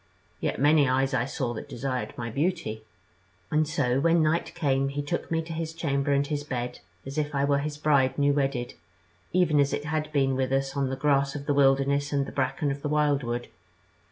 Yet many eyes I saw that desired my beauty. And so when night came, he took me to his chamber and his bed, as if I were his bride new wedded, even as it had been with us on the grass of the wilderness and the bracken of the wildwood.